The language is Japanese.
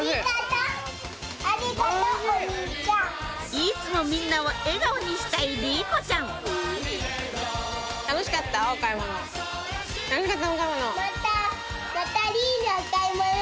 いつもみんなを笑顔にしたい莉子ちゃんまた。